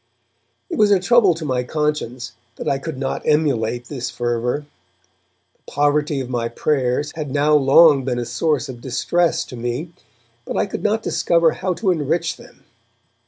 It was a trouble to my conscience that I could not emulate this fervour. The poverty of my prayers had now long been a source of distress to me, but I could not discover how to enrich them.